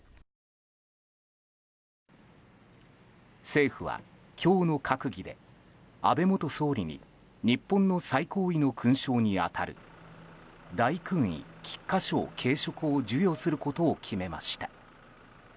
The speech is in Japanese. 政府は今日の閣議で安倍元総理に日本の最高位の勲章に当たる大勲位菊花章頸飾を授与することを決めました。